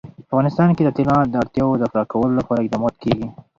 په افغانستان کې د طلا د اړتیاوو پوره کولو لپاره اقدامات کېږي.